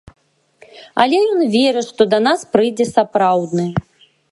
Але ён верыць, што да нас прыйдзе сапраўдны.